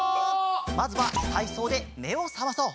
まずはたいそうでめをさまそう！